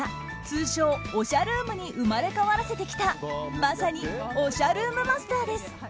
通称おしゃルームに生まれ変わらせてきたまさにおしゃルームマスターです。